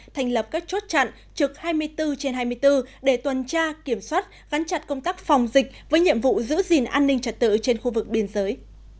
thành lập các chốt chặn trực hai mươi bốn trên hai mươi bốn để tuần tra kiểm soát gắn chặt công tác phòng dịch với nhiệm vụ giữ gìn an ninh trật tự trên khu vực biên giới